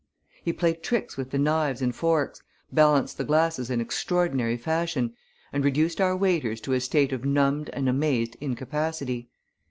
He played tricks with the knives and forks, balanced the glasses in extraordinary fashion, and reduced our waiters to a state of numbed and amazed incapacity.